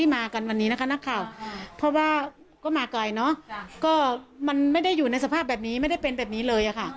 มมันไม่ได้อยู่ในสภาพแบบนี้ก็ไม่ได้เป็นแบบนี้เลยอ่ะค่ะ